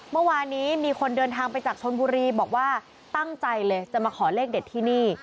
เมื่อวานนี้มีคนเดินทางไปจากชนบุรีบอกว่าตั้งใจเลยจะมาขอเลขเด็ดที่นี่